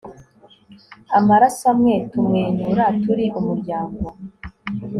amaraso amwe tumwenyura turi umuryango